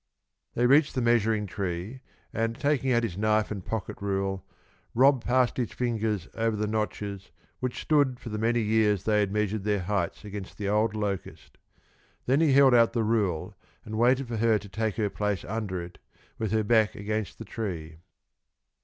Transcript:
They reached the measuring tree, and taking out his knife and pocket rule, Rob passed his fingers over the notches which stood for the many years they had measured their heights against the old locust. Then he held out the rule and waited for her to take her place under it, with her back against the tree.